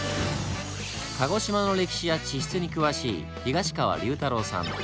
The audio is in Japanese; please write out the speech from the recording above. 鹿児島の歴史や地質に詳しい東川隆太郎さん。